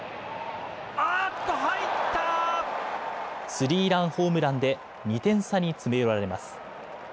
スリーランホームランで２点差に詰め寄られます。